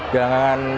dengan sebagian besar